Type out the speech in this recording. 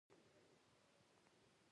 کرکټ د نړۍوالو قوانینو تابع دئ.